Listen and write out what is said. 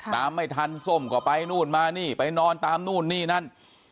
ตามไม่ทันส้มก็ไปนู่นมานี่ไปนอนตามนู่นนี่นั่น